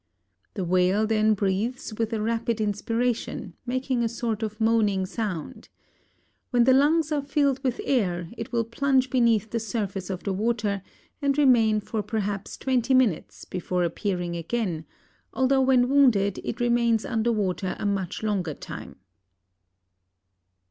The whale then breathes with a rapid inspiration, making a sort of moaning sound. When the lungs are filled with air, it will plunge beneath the surface of the water and remain for perhaps twenty minutes before appearing again, although when wounded it remains under water a much longer time.